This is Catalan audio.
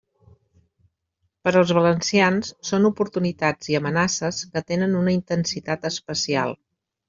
Per als valencians són oportunitats i amenaces que tenen una intensitat especial.